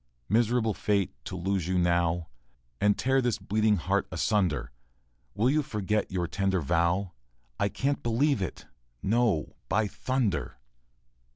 Miserable fate, to lose you now, And tear this bleeding heart asunder! Will you forget your tender vow? I can't believe it no, by thunder!